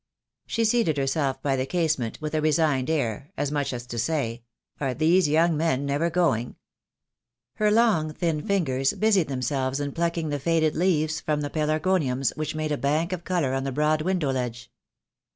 She seated herself by the casement with a resigned air, as much as to say, "Are these young men never going?" Her long, thin fingers busied themselves in plucking the faded leaves from the pelargoniums which made a bank of colour on the broad window ledge.